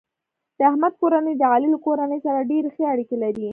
د احمد کورنۍ د علي له کورنۍ سره ډېرې ښې اړیکې لري.